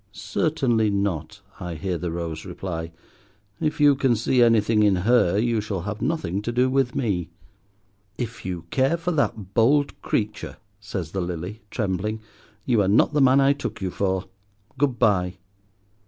"Certainly not," I hear the Rose reply. "If you can see anything in her, you shall have nothing to do with me." "If you care for that bold creature," says the Lily, trembling, "you are not the man I took you for. Good bye."